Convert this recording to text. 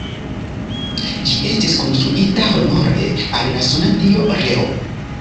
Ĝi estis konstruita honore al la suna dio Reo.